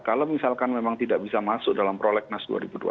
kalau misalkan memang tidak bisa masuk dalam prolegnas dua ribu dua puluh